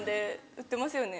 売ってますよね？